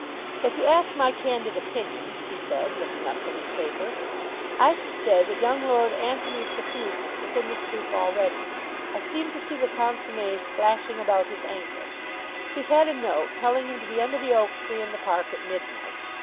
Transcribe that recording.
"If you ask my candid opinion," he said, looking up from his paper, "I should say that young Lord Antony Trefusis was in the soup already. I seem to see the consommé splashing about his ankles. He's had a note telling him to be under the oak tree in the Park at midnight.